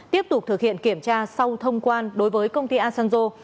tiếp tục thực hiện kiểm tra sau thông quan đối với công ty asanzo